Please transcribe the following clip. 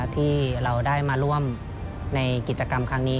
ที่เราได้มาร่วมในกิจกรรมครั้งนี้